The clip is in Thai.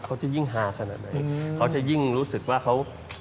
เขาจะยิ่งฮาขนาดไหนเขาจะยิ่งรู้สึกว่าเขา